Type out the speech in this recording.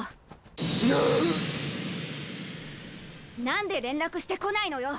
何で連絡してこないのよ！？